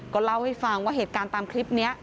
ก็เล่าให้ฟังว่าเหตุการณ์ตามคลิปนี้